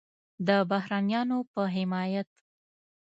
د بهرنیانو په حمایت